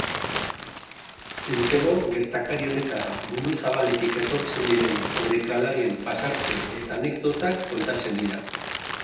Urtero gertakari honetara mundu zabaletik etortzen diren korrikalarien pasarte eta anekdotak kontatzen dira.